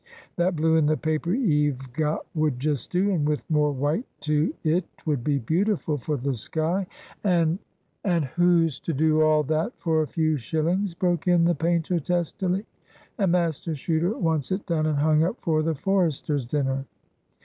That blue in the paper 'ee've got would just do, and with more white to it 'twould be beautiful for the sky. And"— "And who's to do all that for a few shillings?" broke in the painter, testily. "And Master Chuter wants it done and hung up for the Foresters' dinner."